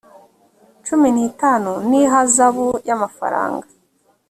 cumi n itanu n ihazabu y amafaranga